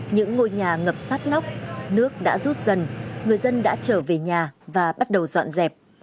những ngôi nhà ngập sát nóc nước đã rút dần người dân đã trở về nhà và bắt đầu dọn dẹp